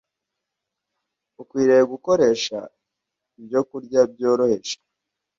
Ukwiriye gukoresha ibyokurya byoroheje,